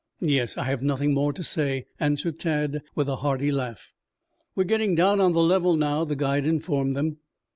"Yes, I have nothing more to say," answered Tad, with a hearty laugh. "We are getting down on the level now," the guide informed them.